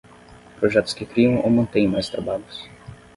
Projetos que criam ou mantêm mais trabalhos.